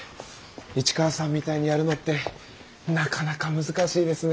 市川さんみたいにやるのってなかなか難しいですね。